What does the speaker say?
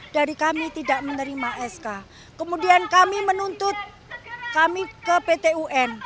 dua ratus sembilan puluh tiga dari kami tidak menerima sk kemudian kami menuntut kami ke pt un